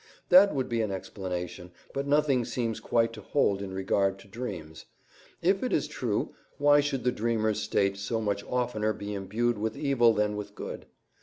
That would be an explanation, but nothing seems quite to hold in regard to dreams. If it is true, why should the dreamer's state so much oftener be imbued with evil than with good?